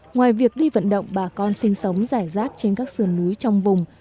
ngoài việc đi vận động bà con sinh sống rải rác trên các sườn núi trong vùng